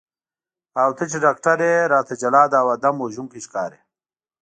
او ته چې ډاکټر یې راته جلاد او آدم وژونکی ښکارې.